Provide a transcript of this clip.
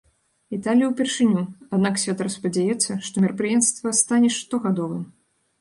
Італіі ўпершыню, аднак святар спадзяецца, што мерапрыемства стане штогадовым.